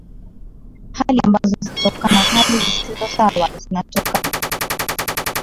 hali ambazo zinatokana hali zisio sawa zinatokana